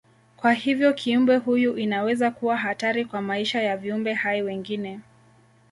Kwa hivyo kiumbe huyu inaweza kuwa hatari kwa maisha ya viumbe hai wengine.